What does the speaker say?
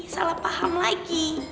salah paham lagi